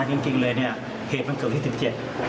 จริงจริงเลยเนี่ยเหตุมันเกิดวันที่สิบเจ็ด